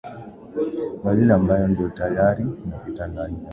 Brazil ambayo ndio tayari inapita ndani ya